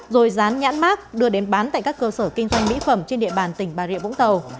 rồi dán nhãn mát đưa đến bán tại các cơ sở kinh doanh mỹ phẩm trên địa bàn tỉnh bà rịa vũng tàu